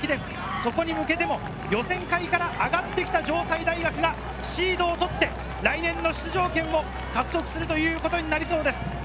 そこに向けても予選会から上がってきた城西大学がシードを取って来年の出場権を獲得することになりそうです。